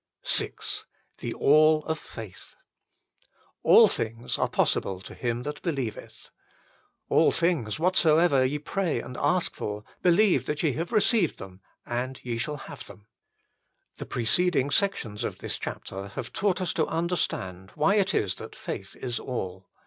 VI THE ALL OF FAITH " All things are possible to him that believeth." " All things whatsoever ye pray and ask for, believe that ye have received them, and ye shall have them." 1 The preceding sections of this chapter have taught us to understand why it is that faith is all.